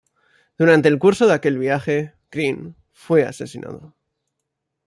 Durante el curso de aquel viaje Greene fue asesinado.